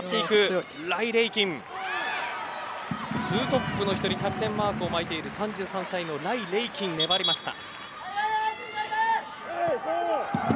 ２トップの１人キャプテンマークを巻いている３３歳ライ・レイキン粘りました。